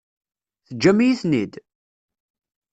Teǧǧam-iyi-ten-id?